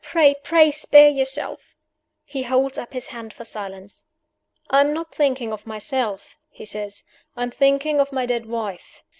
Pray, pray spare yourself " He holds up his hand for silence. "I am not thinking of myself," he says. "I am thinking of my dead wife.